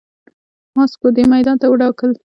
ماسکو دې میدان ته ودانګل.